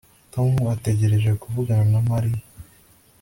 Tom ategereje kuvugana na Mariya